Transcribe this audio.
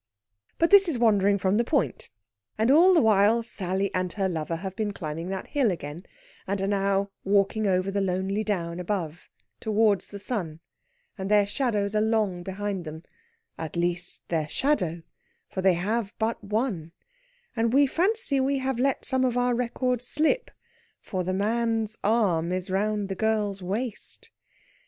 But this is wandering from the point, and all the while Sally and her lover have been climbing that hill again, and are now walking over the lonely down above, towards the sun, and their shadows are long behind them at least, their shadow; for they have but one, and we fancy we have let some of our record slip, for the man's arm is round the girl's waist.